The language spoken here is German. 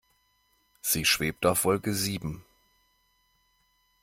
Sie schwebt auf Wolke sieben.